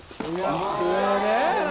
すげえな！